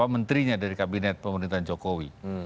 menterinya dari kabinet pemerintahan jokowi